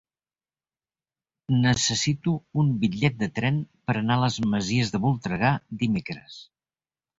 Necessito un bitllet de tren per anar a les Masies de Voltregà dimecres.